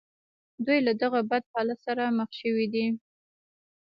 دوی له دغه بد حالت سره مخ شوي دي